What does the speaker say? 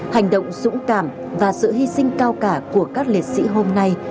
hành động dũng cảm và sự hy sinh cao cả của các liệt sĩ hôm nay